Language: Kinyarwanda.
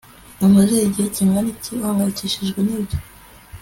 Umaze igihe kingana iki uhangayikishijwe nibyo